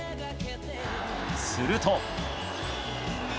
すると。